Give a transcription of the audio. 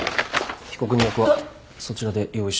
被告人役はそちらで用意してください。